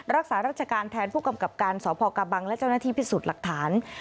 รักษาราชการแทนผู้กำกับการสพกบังและเจ้าหน้าที่พิสูจน์หลักฐาน